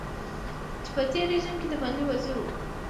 چې په تېر رژيم کې د ماليې وزير و.